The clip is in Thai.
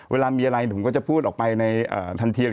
เวลามีอะไรผมก็จะพูดออกไปในทันที